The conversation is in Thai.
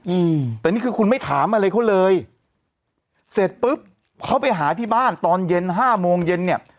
อืมแต่นี่คือคุณไม่ถามอะไรเขาเลยเสร็จปุ๊บเขาไปหาที่บ้านตอนเย็นห้าโมงเย็นเนี้ย